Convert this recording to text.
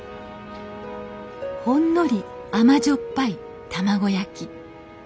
ほんのり甘塩っぱい卵焼き。